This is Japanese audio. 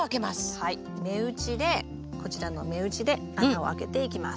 目打ちでこちらの目打ちで穴をあけていきます。